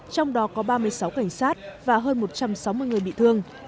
trong đó có ba mươi sáu cảnh sát và hơn một trăm sáu mươi người bị thương